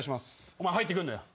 お前入ってくんなよ。